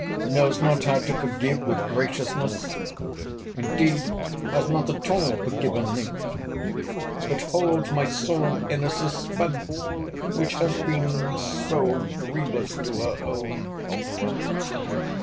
] knows not how to forgive with graciousness? Indeed has not at all forgiven me? But holds my soul in a suspense which has been so grievous to her own.